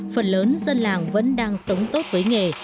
phần lớn dân làng vẫn đang sống tốt với nghề